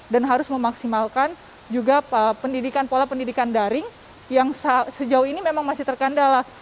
dan harus memaksimalkan juga pola pendidikan daring yang sejauh ini memang masih terkandala